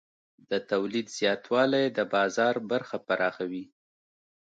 د تولید زیاتوالی د بازار برخه پراخوي.